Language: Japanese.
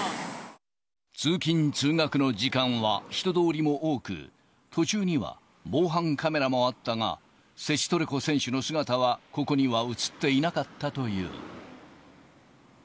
通勤・通学の時間は人通りも多く、途中には防犯カメラもあったが、セチトレコ選手の姿はここには写っていなかったという。